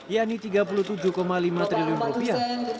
yakni tiga puluh tujuh lima triliun rupiah